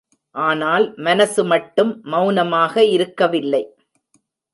ஆனால் மனசுமட்டும் மெளனமாக இருக்கவில்லை.